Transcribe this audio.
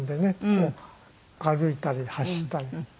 こう歩いたり走ったり。